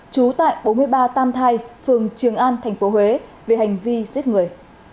trú tại bốn mươi ba tam thai phường trường an tp huế về hành vi giết người